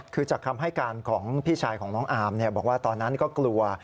คือจากคำให้การของพี่ชายของน้องอาร์มบอกว่าตอนนั้นก็กลัว